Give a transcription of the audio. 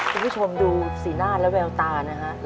คุณผู้ชมดูสีหน้าและแววตานะฮะ